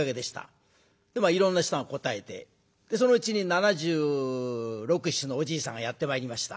いろんな人が答えてそのうちに７６７７のおじいさんがやって参りました。